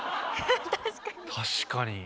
確かに。